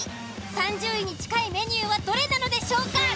３０位に近いメニューはどれなのでしょうか。